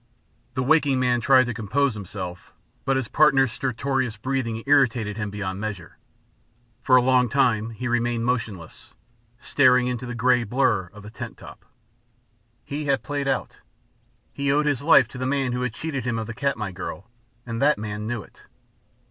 The waking man tried to compose himself, but his partner's stertorous breathing irritated him beyond measure; for a long time he remained motionless, staring into the gray blurr of the tent top. He had played out. He owed his life to the man who had cheated him of the Katmai girl, and that man knew it.